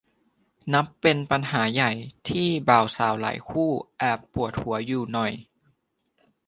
นับเป็นปัญหาใหญ่ที่บ่าวสาวหลายคู่แอบปวดหัวอยู่หน่อย